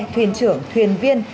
thuyền trưởng thuyền viên